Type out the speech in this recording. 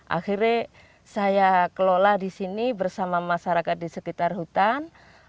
akhirnya saya kelola di sini bersama masyarakat di sekitar hutan